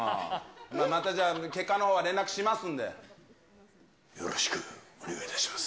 またじゃあ、結果のほうは連よろしくお願いいたします。